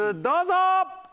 どうぞ！